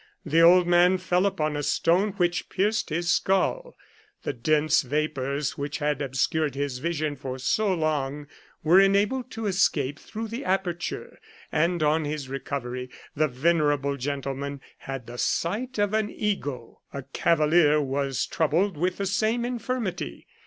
The old man fell upon a stone, which pierced his skull. The dense vapours which had obscured his vision for so long were enabled to escape through the aperture, and on his recovery the venerable gentleman had the sight of an eagle. A cavalier was troubled with the same infirmity.